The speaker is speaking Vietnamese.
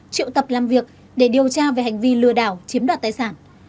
triệu tập làm việc để điều tra về hành vi lừa đảo chiếm đoạt tài sản